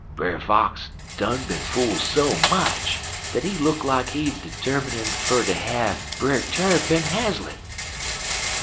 Brer Fox done been fool so much dat he look like he termin' fer ter have Brer Tarrypin haslett.